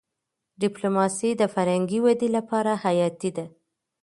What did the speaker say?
ډيپلوماسي د فرهنګي ودي لپاره حياتي ده.